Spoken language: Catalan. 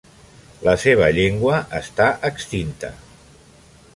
La seva llengua està extinta.